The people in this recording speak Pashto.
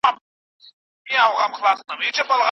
مرګ